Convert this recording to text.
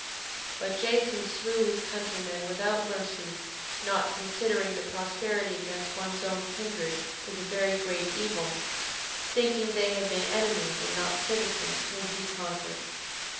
5:6. But Jason slew his countrymen without mercy, not considering that prosperity against one's own kindred is a very great evil, thinking they had been enemies, and not citizens, whom he conquered.